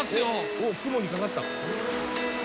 おっ雲にかかった。